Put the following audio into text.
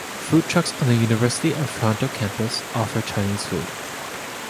Food trucks on the University of Toronto campus offer Chinese food.